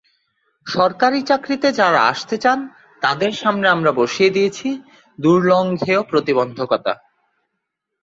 সরকারি চাকরিতে যাঁরা আসতে চান, তাঁদের সামনে আমরা বসিয়ে দিয়েছি দুর্লঙ্ঘেয় প্রতিবন্ধকতা।